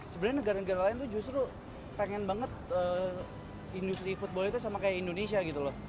sebenarnya negara negara lain tuh justru pengen banget industri football itu sama kayak indonesia gitu loh